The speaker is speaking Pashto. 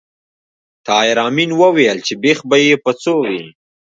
طاهر آمین وویل چې بېخ به یې په څو وي